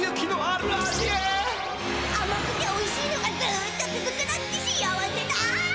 あまくておいしいのがずっとつづくなんて幸せだ！